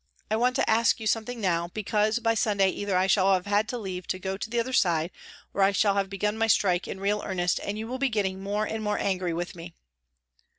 I want to ask you something now, because by Sunday either I shall have had leave to go to the other side or I shall have begun my strike in real earnest and you will be getting more and more angry with me."